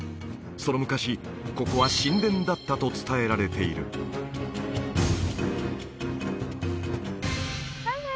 その昔ここは神殿だったと伝えられているＨｅｌｌｏ！